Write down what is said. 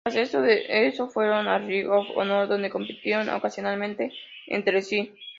Tras eso de eso fueron a Ring of Honor, donde compitieron ocasionalmente entre sí.